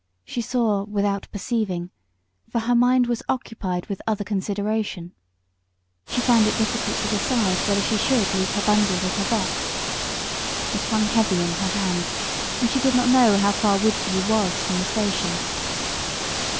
She saw without perceiving, for her mind was occupied with personal consideration. She found it difficult to decide whether she should leave her bundle with her box. It hung heavy in her hand, and she did not know how far Woodview was from the station.